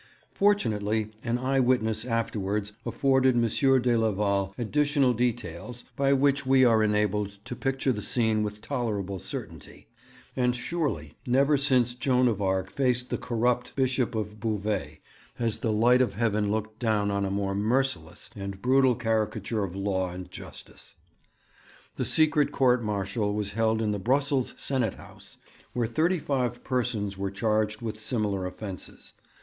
Fortunately an eye witness afterwards afforded M. de Leval additional details, by which we are enabled to picture the scene with tolerable certainty; and surely never since Joan of Arc faced the corrupt Bishop of Beauvais has the light of heaven looked down on a more merciless and brutal caricature of law and justice. The secret court martial was held in the Brussels Senate House, where thirty five persons were charged with similar offences.